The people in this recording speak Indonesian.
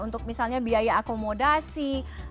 untuk misalnya biaya akomodasi